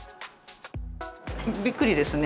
びっくりですね。